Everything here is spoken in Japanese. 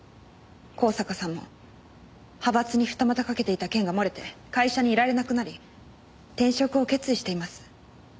香坂さんも派閥に二股かけていた件が漏れて会社にいられなくなり転職を決意しています。